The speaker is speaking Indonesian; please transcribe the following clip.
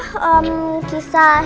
kisah hebat nabi